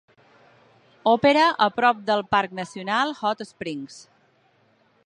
Opera a prop del parc nacional Hot Springs.